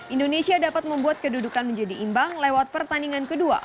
indonesia dapat membuat kedudukan menjadi imbang lewat pertandingan kedua